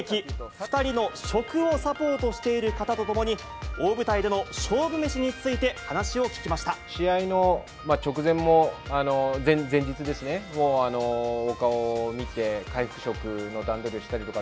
２人の食をサポートしている方とともに、大舞台での勝負飯につい試合の直前も、前日ですね、も、お顔を見て、回復食の段取りをしたりとか。